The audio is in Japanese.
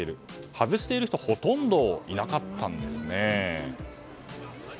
外している人はほとんどいなかったんですね。